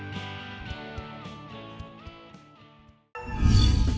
nào chú nào